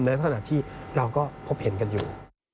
ในสถานที่เราก็พบเห็นกันอยู่